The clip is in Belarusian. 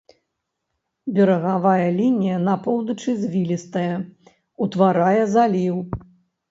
Берагавая лінія на поўначы звілістая, утварае заліў.